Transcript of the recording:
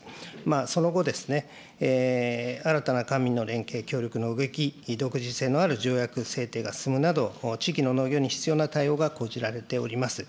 その後、新たな官民の連携協力の動き、独自性のある条約制定が進むなど、地域の農業に必要な対応が講じられております。